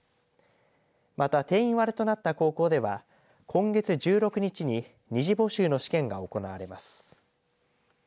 また、定員割れとなった高校では今月１６日に２次募集の試験が行われます。